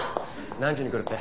何時に来るって？